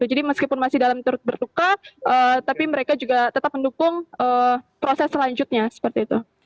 jadi meskipun masih dalam berduka tapi mereka juga tetap mendukung proses selanjutnya seperti itu